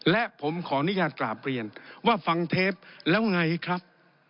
และผมขออนุญาตกราบเรียนว่าฟังเทปแล้วไงครับ